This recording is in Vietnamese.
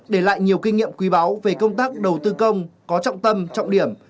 để lại nhiều kinh nghiệm quý báo về công tác đầu tư công có trọng tâm trọng điểm